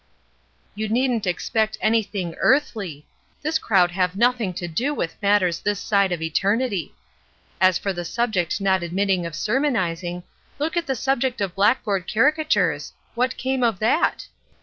"You needn't expect anything earthly; this crowd have nothing to do with matters this side of eternity. As for the subject not admitting of sermonizing, look at the subject of blackboard caricatures. What came of that?"